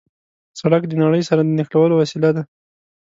سړک د نړۍ سره د نښلولو وسیله ده.